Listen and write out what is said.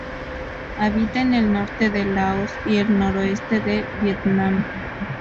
Habita en el norte de Laos y el noroeste de Vietnam.